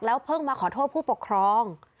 เพิ่งมาขอโทษผู้ปกครอง